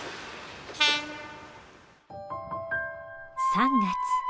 ３月。